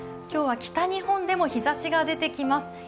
今日は北日本でも日ざしが出てきます。